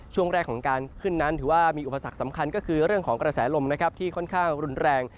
ช่วงแรกของการขึ้นนั้นถือว่ามีอุปสรรคสำคัญก็คือเรื่องของกระแสลมนะครับที่ค่อนข้างรุนแรง